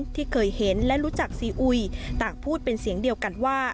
ที่เคยเห็นและรู้จักซีอุยต่างพูดเป็นเสียงเดียวกันว่า